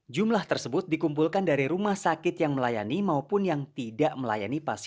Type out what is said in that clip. jumlah tersebut dikumpulkan dari rumah sakit yang melayani maupun yang tidak melayani pasien